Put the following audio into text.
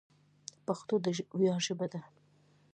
پښتو د ویاړ ژبه ده.